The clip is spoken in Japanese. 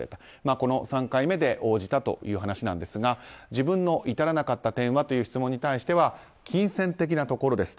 この３回目で応じたという話なんですが自分の至らなかったところはという質問に対して金銭的なところですと。